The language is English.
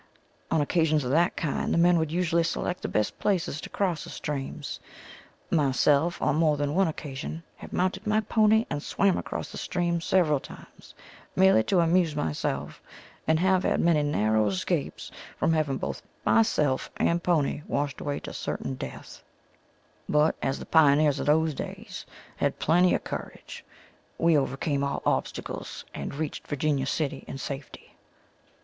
On occasions of that kind the men would usually select the best places to cross the streams, myself on more than one occasion have mounted my pony and swam across the stream several times merely to amuse myself and have had many narow escapes from having both myself and pony washed away to certain death, but as the pioneers of those days had plenty of courage we overcame all obstacles and reached Virginia City in safety.